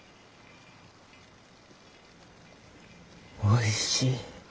おいしい。